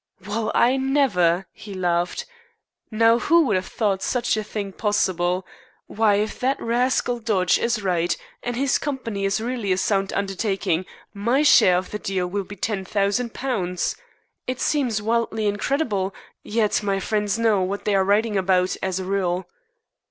"Well, I never!" he laughed. "Now who would have thought such a thing possible? Why, if that rascal Dodge is right and this company is really a sound undertaking, my share of the deal will be £10,000. It seems wildly incredible, yet my friends know what they are writing about as a rule."